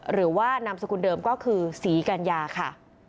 หรือว่านามสกุลเดิมก็คือศรีกัญญาค่ะ